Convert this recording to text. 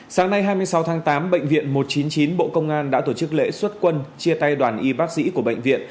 sáng nay hai mươi sáu tháng tám bệnh viện một trăm chín mươi chín bộ công an đã tổ chức lễ xuất quân chia tay đoàn y bác sĩ của bệnh viện